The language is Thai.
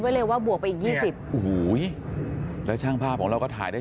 ไว้เลยว่าบวกไปอีกยี่สิบโอ้โหแล้วช่างภาพของเราก็ถ่ายได้